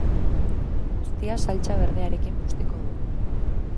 Guztia saltsa berdearekin bustiko dugu.